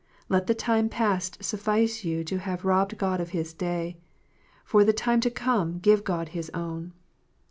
Let the time past suffice you to have robbed God of His Day. For the time to come give God His own.